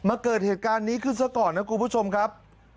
เกิดเหตุการณ์นี้ขึ้นซะก่อนนะคุณผู้ชมครับ